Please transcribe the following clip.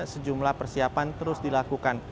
sejumlah persiapan terus dilakukan